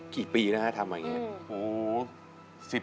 กี่ปีนะฮะทำแบบนี้